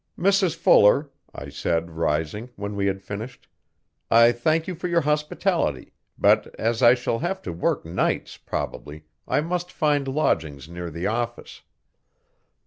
'Mrs Fuller,' I said rising, when we had finished, 'I thank you for your hospitality, but as I shall have to work nights, probably, I must find lodgings near the office.